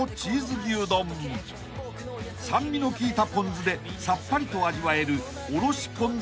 ［酸味の効いたポン酢でさっぱりと味わえる］